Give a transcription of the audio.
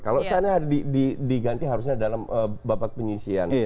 kalau seandainya diganti harusnya dalam babak penyisian